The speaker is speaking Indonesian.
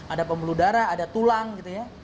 ada pembuluh darah ada tulang gitu ya